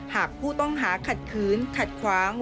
หากผู้ต้องหาขัดขืนขัดขวาง